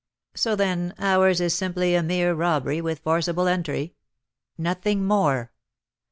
So, then, ours is simply a mere robbery with forcible entry " "Nothing more."